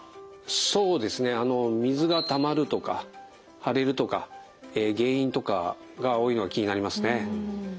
そうですね「水がたまる」とか「腫れる」とか「原因」とかが多いのが気になりますね。